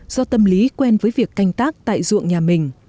do tâm lý quen với việc canh tác tại ruộng nhà mình